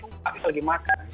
eh aku lagi makan